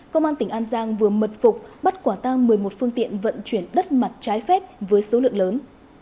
công an tỉnh an giang vừa mật phục bắt quả tang một mươi một phương tiện vận chuyển đất mặt trái phép với số lượng lớn